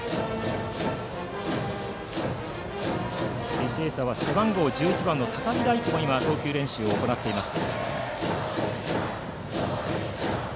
履正社は背番号１１番の高木大希も投球練習をしています。